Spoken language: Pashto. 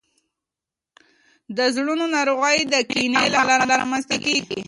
د زړونو ناروغۍ د کینې له امله رامنځته کیږي.